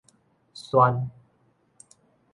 訕